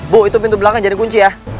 bu itu pintu belakang jadi kunci ya